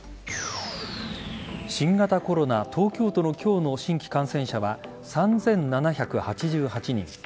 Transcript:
新型コロナ東京都の今日の新規感染者は３７８８人。